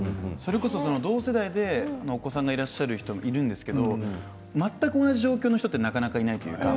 同世代でお子さんがいらっしゃる方、いるんですが全く同じ状況の人ってなかなかいないというか。